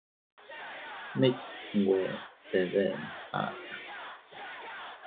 Mit nwe de deʼn ata.